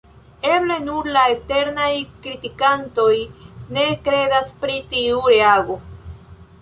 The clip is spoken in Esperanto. Eble nur la eternaj kritikantoj ne kredas pri tiu reago.